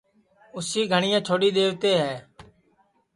اُسی گھںٚٹؔیں چھوڈؔی دؔیوتے ہے